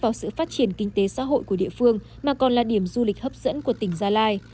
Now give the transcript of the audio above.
vào sự phát triển kinh tế xã hội của địa phương mà còn là điểm du lịch hấp dẫn của tỉnh gia lai